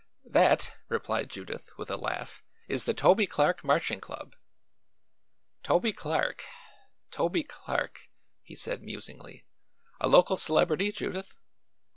"That," replied Judith with a laugh, "is the Toby Clark Marching Club." "Toby Clark Toby Clark," he said musingly. "A local celebrity, Judith?"